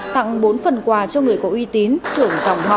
tặng bốn phần quà cho người có uy tín trưởng dòng họ